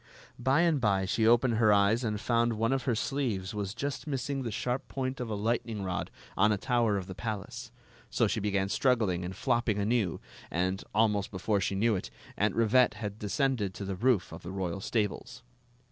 By and by she opened her eyes and found one of her sleeves was just missing the sharp point of a light ning rod on a tower of the palace. So she began struggling and flopping anew, and, almost before she • knew it, Aunt Rivette had descended to the roof of the royal stables.